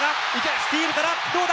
スティールから、どうだ？